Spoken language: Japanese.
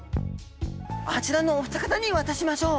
あちらのお二方に渡しましょう。